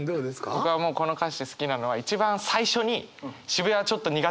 僕はもうこの歌詞好きなのは一番最初に「渋谷はちょっと苦手」と言ってることです。